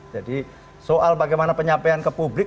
jadi soal bagaimana penyampaian ke publik